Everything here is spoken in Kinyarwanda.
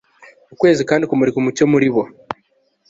ukwezi kandi kumurika umucyo muri bo